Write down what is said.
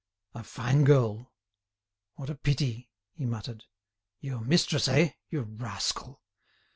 "A fine girl; what a pity!" he muttered. "Your mistress, eh? you rascal!"